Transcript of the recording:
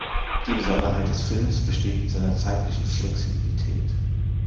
Die Besonderheit des Films besteht in seiner zeitlichen Flexibilität.